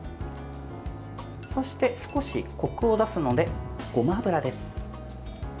そして少し、こくを出すのでごま油です。